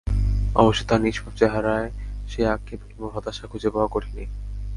অবশ্য তাঁর নিষ্পাপ চেহারায় সেই আক্ষেপ কিংবা হতাশা খুঁজে পাওয়া কঠিনই।